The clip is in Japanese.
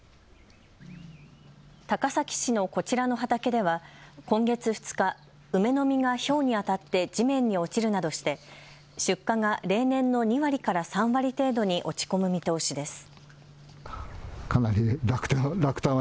高崎市のこちらの畑では今月２日、梅の実がひょうに当たって地面に落ちるなどして出荷が例年の２割から３割程度に落ち込む見通しです。